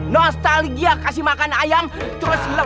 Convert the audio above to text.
nostalgia kasih makan ayam terus hilang